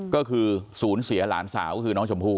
ก็คือศูนย์เสียหลานสาวก็คือน้องชมพู่